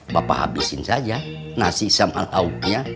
bapak habisin saja nasi sama lauknya